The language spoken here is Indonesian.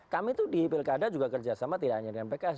kami itu di pilkada juga kerjasama tidak hanya dengan pks